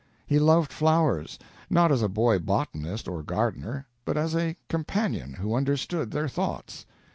He loved flowers not as a boy botanist or gardener, but as a companion who understood their thoughts.